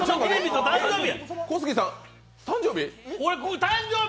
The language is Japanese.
小杉さん誕生日？